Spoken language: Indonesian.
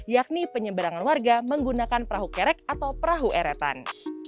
yakni penyeberangan warga menggunakan perahu kerek atau perahu eretan